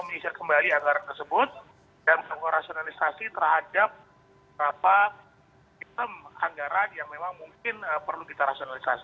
kita akan menyisir kembali anggaran tersebut dan mengurasionalisasi terhadap apa item anggaran yang memang mungkin perlu kita rasionalisasi